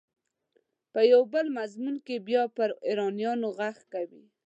په یو بل مضمون کې بیا پر ایرانیانو غږ کوي.